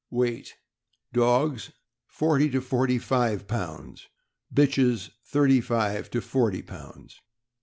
Weight. — Dogs, forty to forty five pounds ; bitches, thirty five to forty pounds.